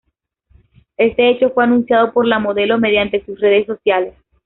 Este hecho fue anunciado por la modelo mediante sus redes sociales.